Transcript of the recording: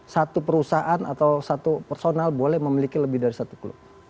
satu perusahaan atau satu personal boleh memiliki lebih dari satu klub